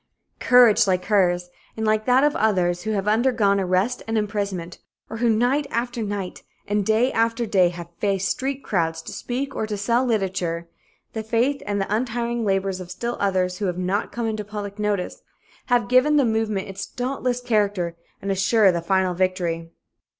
Courage like hers and like that of others who have undergone arrest and imprisonment, or who night after night and day after day have faced street crowds to speak or to sell literature the faith and the untiring labors of still others who have not come into public notice have given the movement its dauntless character and assure the final victory.